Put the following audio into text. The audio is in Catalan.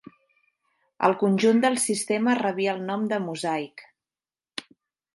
El conjunt del sistema rebia el nom de "mosaic".